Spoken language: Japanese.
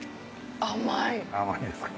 甘いですか。